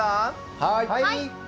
はい。